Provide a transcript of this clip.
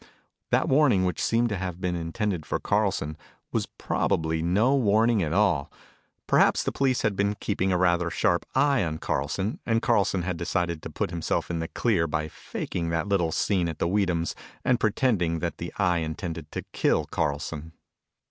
That warning which seemed to have been intended for Carlson was probably no warning at all. Perhaps the police had been keeping rather a sharp eye on Carlson, and Carlson had decided to put himself in the clear by faking that little scene at the Weedham's and pretending that the Eye intended to kill Carlson.